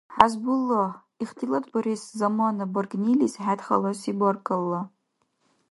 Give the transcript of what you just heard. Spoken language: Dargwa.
ХӀясбуллагь, ихтилатбарес замана баргнилис хӀед халаси баркалла.